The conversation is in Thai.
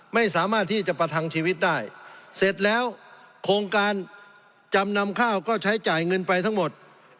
ไม่สามารถที่จะประทังชีวิตได้เสร็จแล้วโครงการจำนำข้าวก็ใช้จ่ายเงินไปทั้งหมด